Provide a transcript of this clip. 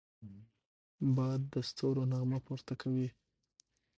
باد د ستورو نغمه پورته کوي